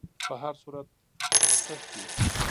په هر صورت تښتي.